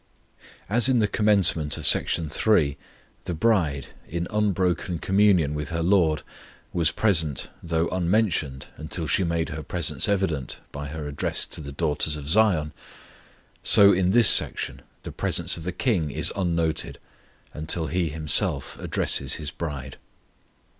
As in the commencement of Section III., the bride, in unbroken communion with her LORD, was present though unmentioned until she made her presence evident by her address to the daughters of Zion; so in this section the presence of the KING is unnoted until He Himself addresses His bride.